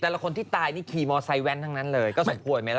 เอาใส่แว่นทั้งนั้นเลยก็สะกวดไหมล่ะ